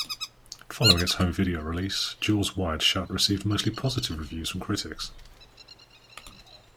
Following its home video release, "Jaws Wired Shut" received mostly positive reviews from critics.